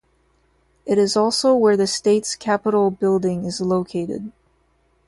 It is also where the states capitol building is located.